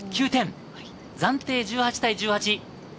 暫定１８対１８。